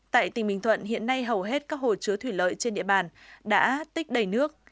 tại tỉnh bình thuận hiện nay hầu hết các hồ chứa thủy lợi trên địa bàn đã tích đầy nước